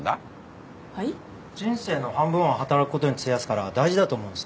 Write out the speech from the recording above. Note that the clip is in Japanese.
人生の半分は働くことに費やすから大事だと思うんですよね。